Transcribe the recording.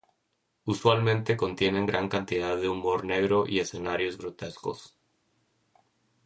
Usualmente contienen gran cantidad de humor negro y escenarios grotescos.